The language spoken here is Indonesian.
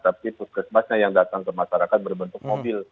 tapi puskesmasnya yang datang ke masyarakat berbentuk mobil